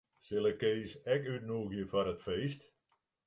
Sil ik Kees ek útnûgje foar it feest?